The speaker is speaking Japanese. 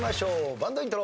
バンドイントロ。